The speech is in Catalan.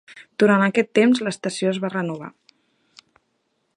Durant aquest temps, l'estació es va renovar.